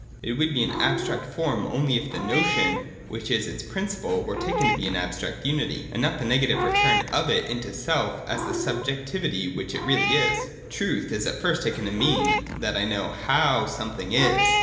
It would be an abstract form, only if the notion, which is its principle, were taken as an abstract unity, and not as the nega tive return of it into self and as the subjectivity which it really is. Truth is at first taken to mean that I know how something is.